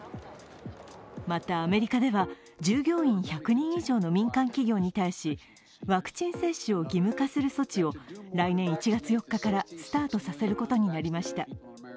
またアメリカでは、従業員１００人以上の民間企業に対し、ワクチン接種を義務化する措置を来年１月４日からスタートさせることになりました。